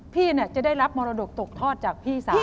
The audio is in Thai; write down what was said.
พี่จะได้รับมรดกตกทอดจากพี่สาว